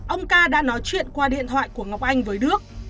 ông ca đã nói chuyện qua điện thoại của ngọc anh với đức